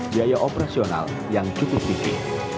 biaya operasional yang cukup tinggi